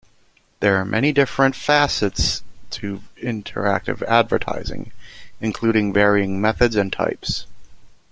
There are many different facets to interactive advertising, including varying methods and types.